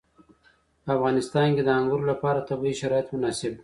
په افغانستان کې د انګور لپاره طبیعي شرایط مناسب دي.